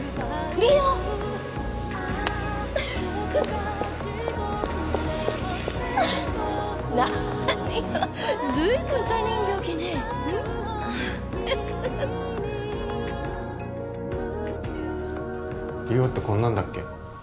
梨央ってこんなんだっけ？